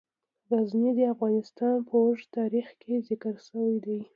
غزني د افغانستان په اوږده تاریخ کې ذکر شوی دی.